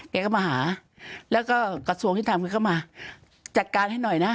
แกก็มาหาแล้วก็กระทรวงที่ทำคือเข้ามาจัดการให้หน่อยนะ